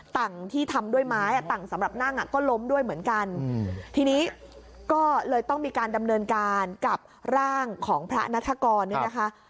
ต่างที่ทำด้วยไม้อ่ะต่างสำหรับนั่งอ่ะก็ล้มด้วยเหมือนกันทีนี้ก็เลยต้องมีการดำเนินการกับร่างของพระนัฐกรเนี่ยนะคะ